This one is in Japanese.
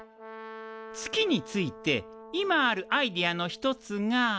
月について今あるアイデアの一つが。